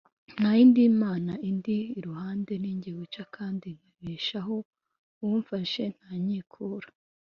nta yindi mana indi iruhande, ni jye wica kandi nkabeshaho, uwo mfashe ntanyikura.